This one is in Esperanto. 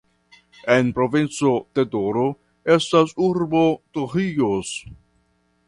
En provinco Toledo estas urbo Torrijos.